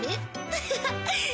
アハハ。